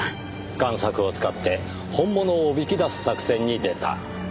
贋作を使って本物をおびき出す作戦に出た。